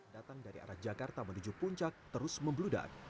datang dari arah jakarta menuju puncak terus membeludak